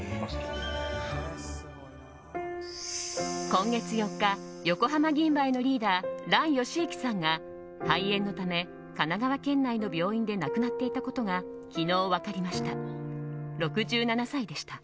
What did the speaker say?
今月４日、横浜銀蝿のリーダー嵐ヨシユキさんが肺炎のため神奈川県内の病院で亡くなっていたことが昨日、分かりました。